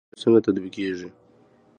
پروژه څنګه تطبیقیږي؟